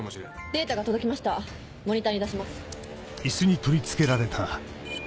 データが届きましたモニターに出します。